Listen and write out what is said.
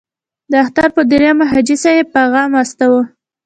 د اختر په دریمه حاجي صاحب پیغام واستاوه.